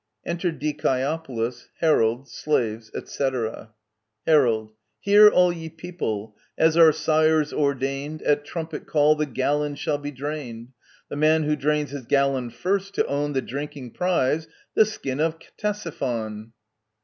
Enter DicjEOPolis, Herald, Slaves, etc. Her. Hear, all ye people ! As our sires ordained, At trumpet call the gallons shall be drained ; t The man who drains his gallon first to own The drinking prize, the skin of — Ctesiphon.